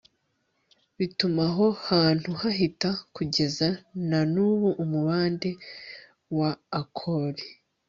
bituma aho hantu bahita kugeza na n'ubu umubande wa akori